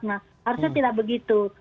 nah harusnya tidak begitu